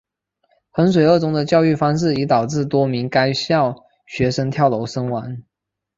衡水二中的教育方式已导致多名该校学生跳楼身亡。